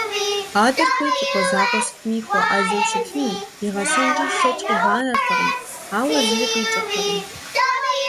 Адэр хуейт и къуэ закъуэр сытми хуэӀэзэу щытыну, игъэсэнкӀи лъэкӀ къигъанэртэкъым, ауэ зыри къикӀыртэкъым.